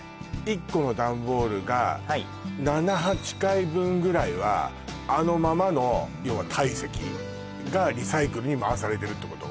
一個のダンボールが７８回分ぐらいはあのままの要は体積がリサイクルにまわされてるってこと？